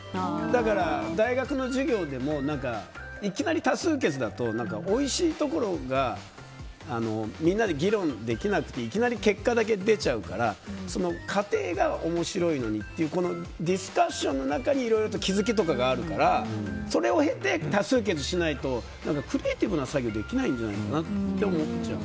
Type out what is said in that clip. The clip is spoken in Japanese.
だから、大学の授業でもいきなり多数決だとおいしいところがみんなで議論できなくていきなり結果だけ出ちゃうから過程が面白いのにっていうディスカッションの中にいろいろと気付きとかがあるからそれを経て多数決しないとクリエーティブな作業できないんじゃないかなと思っちゃう。